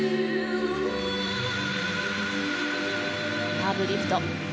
カーブリフト。